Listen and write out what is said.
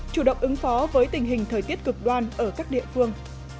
chủ động ứng phó với tình hình thời tiết cực đoan ở các địa phương